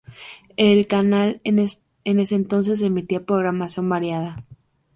El canal, en ese entonces, emitía programación variada.